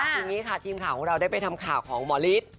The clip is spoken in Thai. ทีนี้ค่ะทีมข่าวของเราได้ไปทำข่าวของหมอฤทธิ์